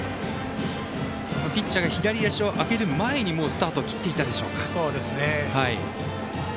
ピッチャーが左足を上げる前にもうスタートを切っていたでしょうか。